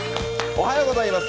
おはようございます。